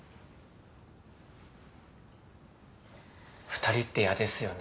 ２人って嫌ですよね。